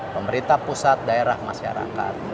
pemerintah pusat daerah masyarakat